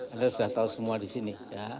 anda sudah tahu semua di sini